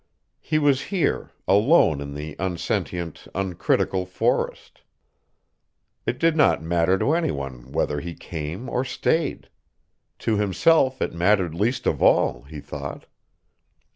He was here, alone in the unsentient, uncritical forest. It did not matter to any one whether he came or stayed. To himself it mattered least of all, he thought.